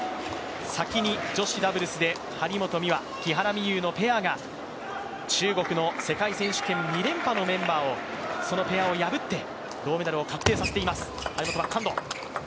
先に女子ダブルスで張本美和、木原美悠のペアが中国の世界選手権２連覇、そのペアを破って銅メダルを確定させています。